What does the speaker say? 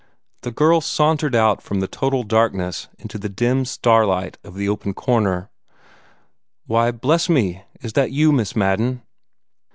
The girl sauntered out from the total darkness into the dim starlight of the open corner. "Why, bless me, is that you, Miss Madden?"